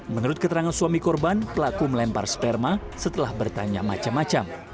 menurut keterangan suami korban pelaku melempar sperma setelah bertanya macam macam